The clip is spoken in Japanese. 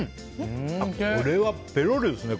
これはぺロりですね。